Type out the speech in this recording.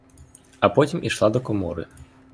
А потім ішла до комори.